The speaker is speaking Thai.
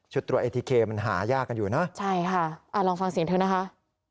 ตรวจเอทีเคมันหายากกันอยู่เนอะใช่ค่ะอ่าลองฟังเสียงเธอนะคะ